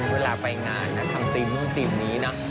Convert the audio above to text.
เวลาไปงานนะทางทรีมนู้นทรีมนี้นะ